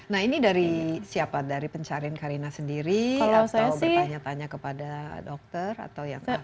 nah ini dari siapa dari pencarian karina sendiri atau bertanya tanya kepada dokter atau yang